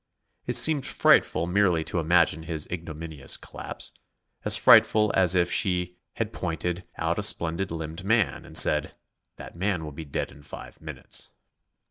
It seemed frightful merely to imagine his ignominious collapse; as frightful as if she had pointed out a splendid limbed man and said: "That man will be dead in five minutes."